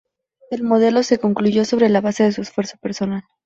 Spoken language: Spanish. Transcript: El modelo se concluyó sobre la base de su esfuerzo personal.